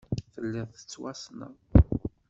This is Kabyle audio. Telliḍ tettwassneḍ.